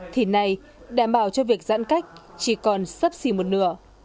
thì này đảm bảo cho việc giãn cách chỉ còn sắp xì một nửa